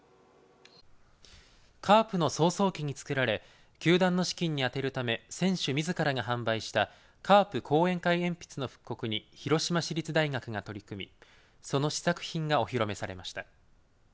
カープの草創期に作られ球団の資金に充てるため選手みずからが販売したカープ後援會鉛筆の復刻に広島市立大学が取り組みその試作品がお披露目されました。